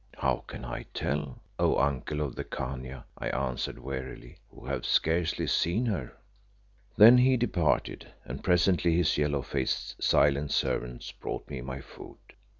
"How can I tell, O uncle of the Khania," I answered wearily, "who have scarcely seen her?" Then he departed, and presently his yellow faced, silent servants brought me my food.